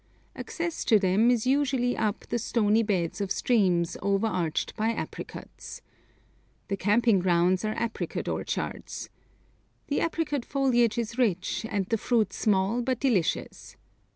Access to them is usually up the stony beds of streams over arched by apricots. The camping grounds are apricot orchards. The apricot foliage is rich, and the fruit small but delicious.